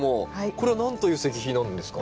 これは何という石碑なんですか？